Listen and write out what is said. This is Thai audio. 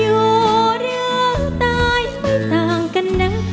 อยู่เรื่องตายไม่ต่างกันนะ